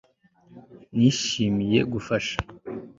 Nishimiye gufasha